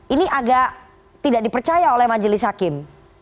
ini agak tidak dipercaya oleh majelis hakim